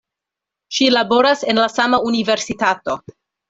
Ŝi laboras en la sama universitato.